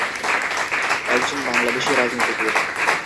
একজন বাংলাদেশী রাজনীতিবিদ।